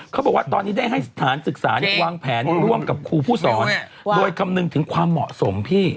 เขาบอกว่าตอนนี้ได้ให้สถานศึกษาวางแผนร่วมกับครูผู้สอนโดยคำนึงถึงความเหมาะสมพี่